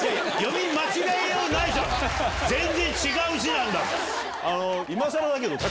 全然違う字なんだもん！